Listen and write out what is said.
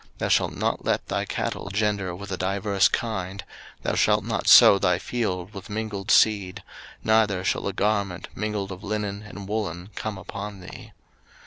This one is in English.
Thou shalt not let thy cattle gender with a diverse kind: thou shalt not sow thy field with mingled seed: neither shall a garment mingled of linen and woollen come upon thee.